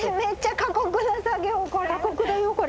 過酷だよこれ。